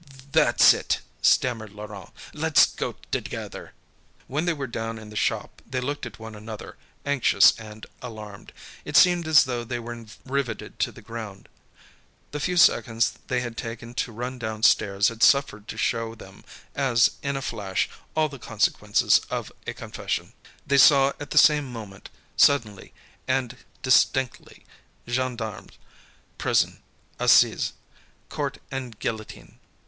"That's it," stammered Laurent, "let's go together." When they were down in the shop they looked at one another, anxious and alarmed. It seemed as though they were riveted to the ground. The few seconds they had taken to run downstairs had suffered to show them, as in a flash, all the consequences of a confession. They saw at the same moment, suddenly and distinctly: gendarmes, prison, assize court and guillotine.